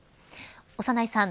長内さん